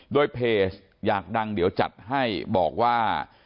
โดยเพจอยากดังเดี๋ยวจัดให้บอกว่า